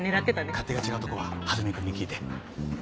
勝手が違うとこは蓮見くんに聞いて。